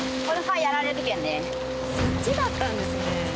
そっちだったんですね。